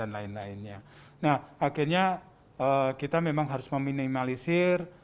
nah akhirnya kita memang harus meminimalisir